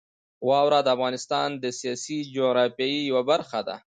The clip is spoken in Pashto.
واوره د افغانستان د سیاسي جغرافیې یوه برخه ده.